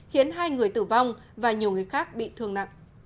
khiến hai người tử vong và nhiều người khác bị thương nặng